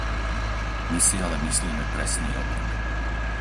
My si ale myslíme presný opak.